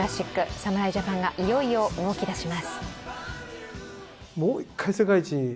侍ジャパンが、いよいよ動きだします。